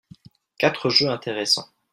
quatre jeux intéressants.